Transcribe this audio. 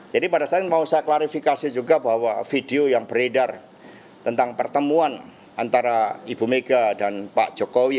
jadi pada saat ini mau saya klarifikasi juga bahwa video yang beredar tentang pertemuan antara ibu mega dan pak jokowi